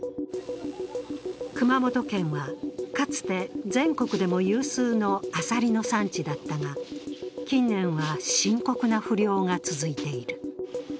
熊本県は、かつて全国でも有数のアサリの産地だったが近年は深刻な不漁が続いている。